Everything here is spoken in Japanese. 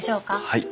はい。